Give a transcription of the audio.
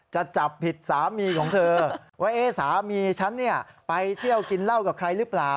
จะจับผิดสามีของเธอว่าสามีฉันไปเที่ยวกินเหล้ากับใครหรือเปล่า